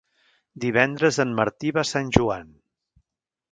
Divendres en Martí va a Sant Joan.